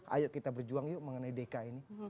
ayo kita berjuang yuk mengenai dki ini